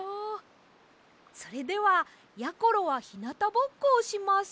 それではやころはひなたぼっこをします。